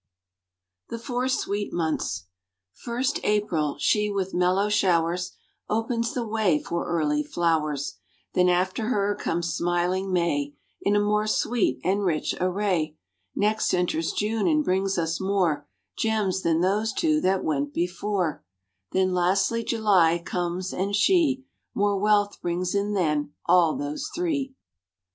THE FOUR SWEET MONTHS First, April, she with mellow showers Opens the way for early flowers; Then after her comes smiling May, In a more sweet and rich array; Next enters June, and brings us more Gems than those two that went before: Then, lastly, July comes and she More wealth brings in than all those three.